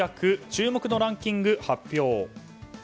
注目のランキング発表。